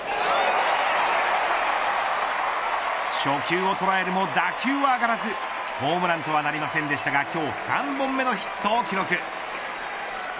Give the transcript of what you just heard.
初球を捉えるも、打球は上がらずホームランとはなりませんでしたが今日、３本目のヒットを記録。